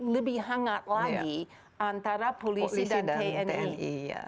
lebih hangat lagi antara polisi dan tni